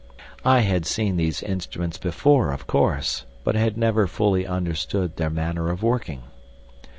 I had seen these instruments before, of course, but had never fully understood their manner of working.